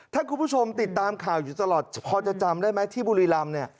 ถ้าคุณผู้ชมติดตามข่าวอยู่ตลอดพอจะจำได้ไหมที่บุรีรำเนี่ย